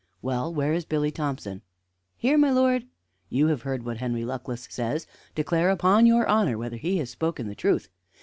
"Well, where is Billy Thompson?" "Here, my lord." "You have heard what Henry Luckless says. Declare upon your honor whether he has spoken the truth."